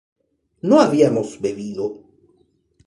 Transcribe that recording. ¿no habíamos bebido?